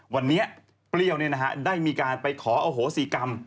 วันนี้เปรี้ยวได้มีการไปขออโหสิกรรม